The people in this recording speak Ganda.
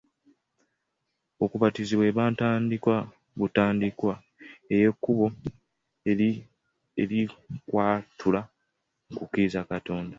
Okubatizibwa eba ntandikwa butandikwa ey'ekkubo erikutwala mu kukkiriza Katonda